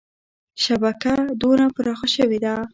شبکه دونه پراخه شوې ده.